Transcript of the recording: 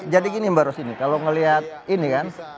jadi gini mbak rosini kalau ngelihat ini kan